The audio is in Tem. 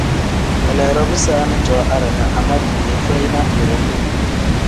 Leleedo bisaani cooo araha ama liidee feyi na iraa imu.